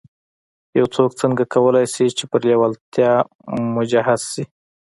يو څوک څنګه کولای شي چې پر لېوالتیا مجهز شي.